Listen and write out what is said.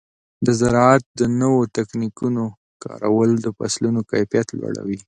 د زراعت د نوو تخنیکونو کارول د فصلونو کیفیت لوړوي.